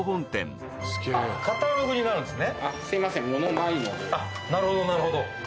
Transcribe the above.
なるほどなるほど。